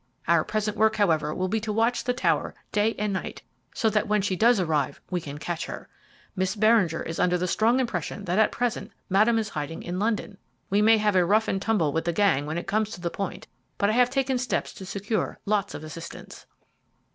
Our present work, however, will be to watch the tower day and night, so that when she does arrive we can catch her. Miss Beringer is under the strong impression that at present Madame is hiding in London. We may have a rough and tumble with the gang when it comes to the point, but I have taken steps to secure lots of assistance."